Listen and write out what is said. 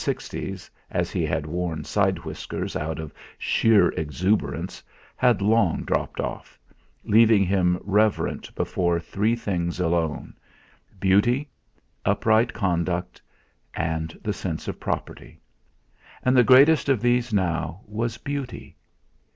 ixties, as he had worn side whiskers out of sheer exuberance, had long dropped off, leaving him reverent before three things alone beauty, upright conduct, and the sense of property; and the greatest of these now was beauty.